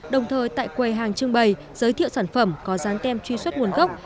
đồng thời tại quầy hàng trưng bày giới thiệu sản phẩm có dán tem truy xuất nguồn gốc